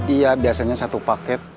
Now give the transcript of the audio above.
iya biasanya satu paket